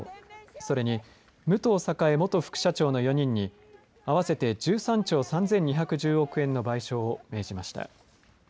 それに武藤栄元副社長の４人に合わせて１３兆３２１０億円の賠償を命じました。